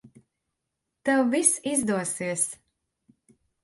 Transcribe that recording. Tev viss izdosies.